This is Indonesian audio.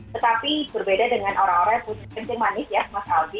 tetapi berbeda dengan orang orang yang punya kencing manis ya mas aldi